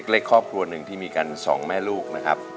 เล็กครอบครัวหนึ่งที่มีกันสองแม่ลูกนะครับ